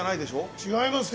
違いますよ。